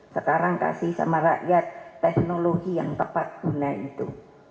sekarang kasih sama rakyat teknologi yang tepat guna itu